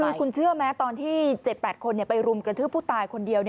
คือคุณเชื่อไหมตอนที่๗๘คนไปรุมกระทืบผู้ตายคนเดียว